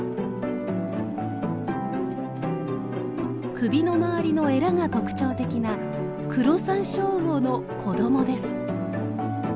首の周りのえらが特徴的なクロサンショウウオの子どもです。